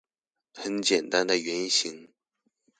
很簡單的原型